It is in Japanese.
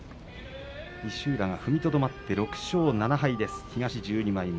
石浦が踏みとどまって６勝７敗東１２枚目。